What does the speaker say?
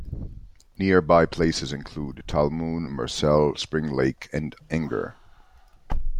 Nearby places include Talmoon, Marcell, Spring Lake, and Inger.